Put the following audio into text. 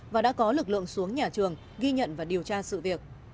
và đã có lực lượng xuống nhà trường ghi nhận và điều tra sự việc